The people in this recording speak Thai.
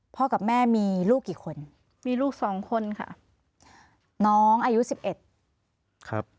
กับแม่มีลูกกี่คนมีลูกสองคนค่ะน้องอายุสิบเอ็ดครับ